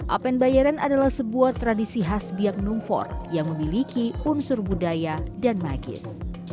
apen bayaran adalah sebuah tradisi khas biak numfor yang memiliki unsur budaya dan magis